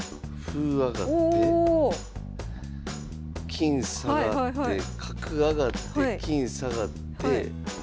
金下がって角上がって金下がって。